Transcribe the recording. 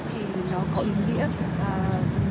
thì nó có ý nghĩa rất lớn